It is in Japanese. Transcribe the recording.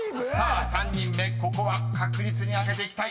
［３人目ここは確実に開けていきたい。